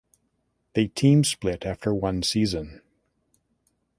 They team split after one season.